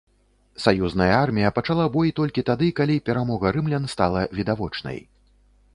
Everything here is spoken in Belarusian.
Саюзная армія пачала бой толькі тады, калі перамога рымлян стала відавочнай.